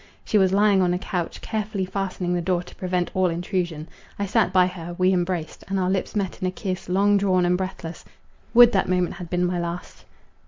She was lying on a couch; carefully fastening the door to prevent all intrusion; I sat by her, we embraced, and our lips met in a kiss long drawn and breathless—would that moment had been my last!